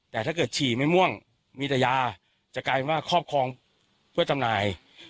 แต่ถ้าเกิดฉี่ไม่ม่วงมีแต่ยาจะกลายเป็นว่าครอบครองเพื่อจำหน่าย